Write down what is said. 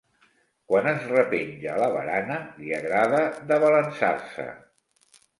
Quan es repenja a la barana, li agrada d'abalançar-se.